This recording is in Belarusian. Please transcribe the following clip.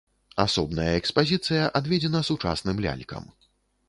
Асобная экспазіцыя адведзена сучасным лялькам.